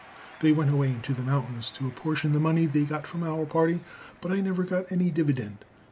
They went away into the mountains to apportion the money they got from our party, but I never got any dividend.